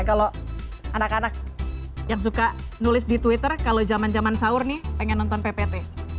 kalau anak anak yang suka nulis di twitter kalau zaman zaman sahur nih pengen nonton ppt